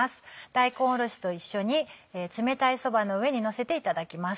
大根おろしと一緒に冷たいそばの上にのせていただきます。